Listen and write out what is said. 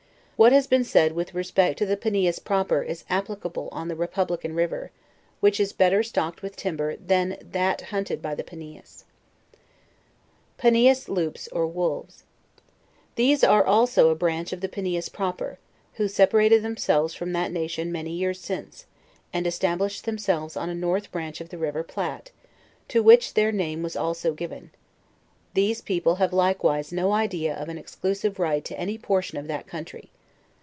What has been said with respect to the Panias Proper is applicable on the Republican river, which is better stocked with timber than that hunted by the Pa mas. LEWIS AND CLARKE, 129 PANIAS Lours OR WOLVES. These are also a branch of the Panias Proper, who separated themselves from that na tion many years since, and established themselves on a north branch of the river Platte, to which their name was also giv en; these people, have likewise no idea of an exclusive right to any portion of that country.